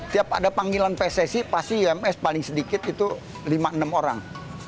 tiap ada panggilan pssi pasti ims paling sedikit itu lima enam orang